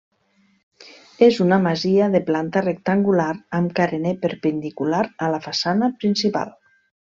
És una masia de planta rectangular, amb carener perpendicular a la façana principal.